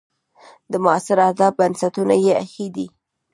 د معاصر ادب بنسټونه یې ایښي دي.